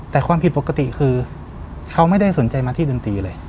แต่ความผิดปกติคือเขาไม่ได้สนใจมาที่ดนตรีเลย